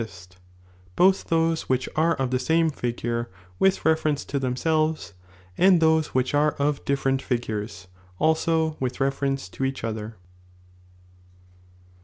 Bubaist, both those which are of the same figure, with refer ence to themselves, and those which art) of different figures, also with reference to each other.